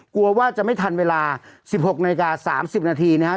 กลัวว่าจะไม่ทันเวลา๑๖นาฬิกา๓๐นาทีนะครับ